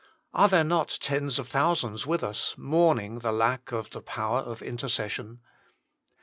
Are there not tens of thousands with us mourning the lack of the power of intercession